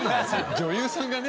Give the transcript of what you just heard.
女優さんがね